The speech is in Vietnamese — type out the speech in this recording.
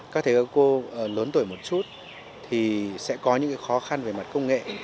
các thầy các cô lớn tuổi một chút thì sẽ có những khó khăn về mặt công nghệ